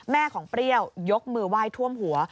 แม่ของเปรี้ยวยกมือไหว้ท่วมหัว